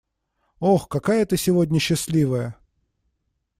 Ох, какая ты сегодня счастливая!